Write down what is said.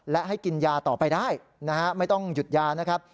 และให้กินยาต่อไปได้นะฮะไม่ต้องหยุดยานะครับ